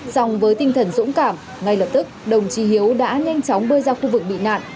xong với tinh thần dũng cảm ngay lập tức đồng chí hiếu đã nhanh chóng bơi ra khu vực bị nạn